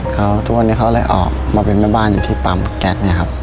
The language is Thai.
เขาทุกวันนี้เขาเลยออกมาเป็นแม่บ้านอยู่ที่ปั๊มแก๊สเนี่ยครับ